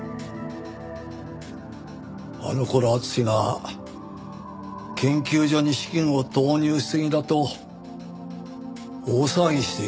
あの頃敦が研究所に資金を投入しすぎだと大騒ぎしていましてね。